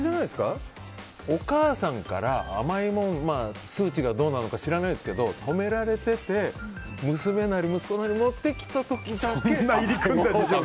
お母さんから、甘いもの数値がどうなのか知らないけど止められてて娘なり、息子なりが持ってきた時だけ。